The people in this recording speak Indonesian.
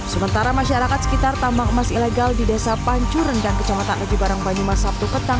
sementara masyarakat sekitar tambang emas ilegal di desa pancuren dan kecamatan negi barang panjuma sabtu ketang